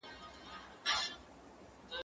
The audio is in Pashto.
زه کولای سم مېوې وچوم!؟